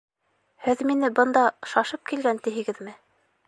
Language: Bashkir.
Һеҙ мине бында шашып килгән тиһегеҙме?